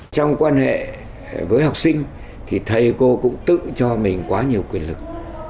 trong quan hệ với học sinh thì thầy cô cũng tự cho mình quá nhiều quyền lực